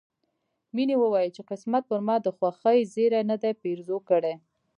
مينې وويل چې قسمت پر ما د خوښۍ زيری نه دی پيرزو کړی